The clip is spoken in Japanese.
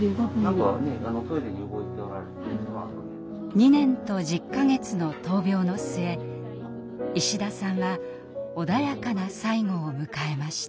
２年と１０か月の闘病の末石田さんは穏やかな最期を迎えました。